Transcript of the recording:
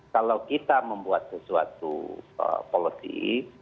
kalau kita membuat sesuatu policy